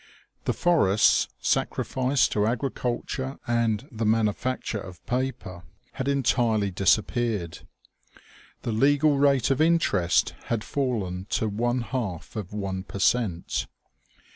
The forests, sacrificed to agriculture and the manufac ture of paper, had entirely disappeared. The legal rate o.f interest had fallen to one half of one per cent.